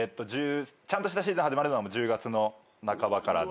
ちゃんとしたシーズン始まるのは１０月の半ばからで。